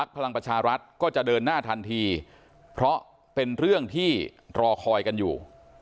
พลังประชารัฐก็จะเดินหน้าทันทีเพราะเป็นเรื่องที่รอคอยกันอยู่